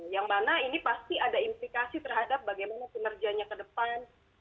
yang mana ini pasti ada implikasi terhadap bagaimana kinerjanya ke depan